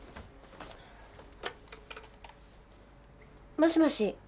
もしもし。